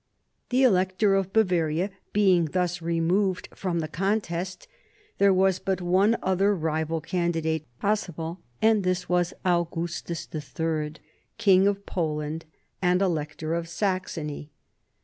The Elector of Bavaria being thus removed from the contest, there was but one other rival candidate possible, and this was Augustus III., King of Poland, and Elector of Saxony.